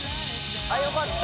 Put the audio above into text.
△よかった。